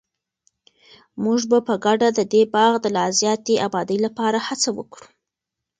موږ به په ګډه د دې باغ د لا زیاتې ابادۍ لپاره هڅه وکړو.